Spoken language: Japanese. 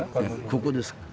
ここです。